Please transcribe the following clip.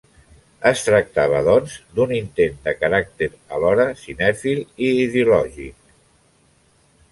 Es tractava, doncs, d'un intent de caràcter alhora cinèfil i ideològic.